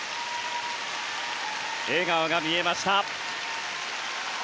笑顔が見えました。